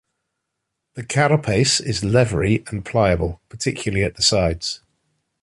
The carapace is leathery and pliable, particularly at the sides.